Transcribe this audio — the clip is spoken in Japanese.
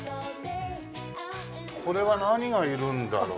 これは何がいるんだろう？